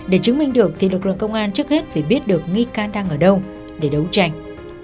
để chứng minh được thì lực lượng công an trước hết phải biết được nghi can đang ở đâu để đấu tranh